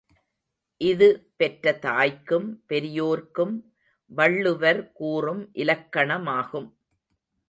இது பெற்ற தாய்க்கும் பெரியோர்க்கு வள்ளுவர் கூறும் இலக்கணமாகும்.